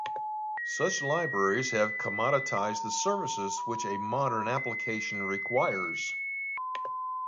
Such libraries have commoditized the services which a modern application requires.